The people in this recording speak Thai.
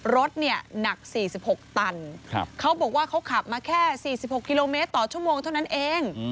รถเนี้ยหนักสี่สิบหกตันครับเขาบอกว่าเขาขับมาแค่สี่สิบหกกิโลเมตรต่อชั่วโมงเท่านั้นเอง